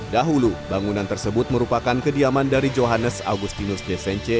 dahulu bangunan tersebut merupakan kediaman dari johannes augustinus de sence